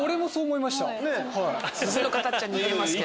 鈴の形は似てますけど。